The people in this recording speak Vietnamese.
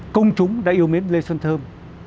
công chúng đã yêu mến lê xuân thơm